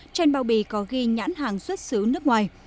trên bao bì có ghi nhãn hàng xuất xứ nước ngoài